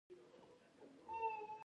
چې د پارس تر برتري غوښتونکو يې.